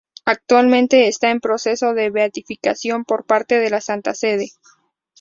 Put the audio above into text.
Actualmente está en proceso de beatificación por parte de la Santa Sede.